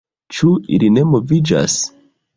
Ĉu ili ne moviĝas?